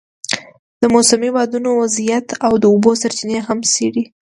د موسمي بادونو وضعیت او د اوبو سرچینې هم څېړي.